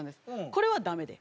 これはダメで。